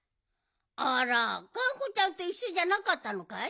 あらがんこちゃんといっしょじゃなかったのかい？